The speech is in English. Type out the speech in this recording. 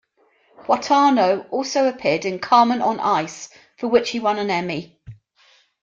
Boitano also appeared in "Carmen on Ice", for which he won an Emmy.